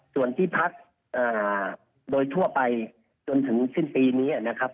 ส่วนที่พักโดยทั่วไปจนถึงสิ้นปีนี้นะครับ